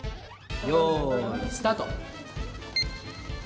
よいスタート！